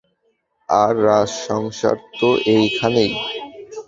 আর, রাজসংসার তো এইখানেই।